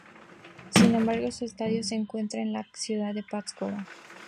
Sin embargo, su estadio se encuentra en la ciudad de Pátzcuaro.